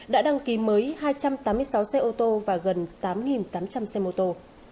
đã đăng ký mới hai trăm tám mươi sáu xe ô tô và gần tám tám trăm linh xe mô tô